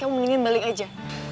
kamu mendingin balik aja